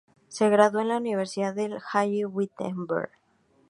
Se graduó en la Universidad de Halle-Wittenberg.